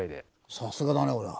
さすがだね俺は。